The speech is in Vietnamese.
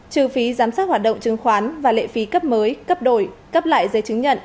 trừ phí giám sát hoạt động chứng khoán và lệ phí cấp mới cấp đổi cấp lại giấy chứng nhận